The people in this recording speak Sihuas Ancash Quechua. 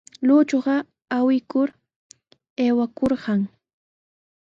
Lluychuqa aywikur aywakurqan.